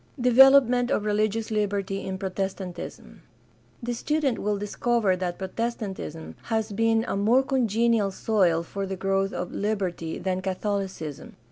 Development of religious liberty in Protestantism.— The student will discover that Protestantism has been a more congenial soil for the growth of liberty than Catholicism.